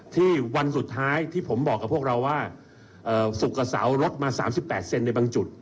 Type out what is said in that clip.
วันสุดท้ายที่ผมบอกกับพวกเราว่าสุขกับเสาลดมา๓๘เซนในบางจุด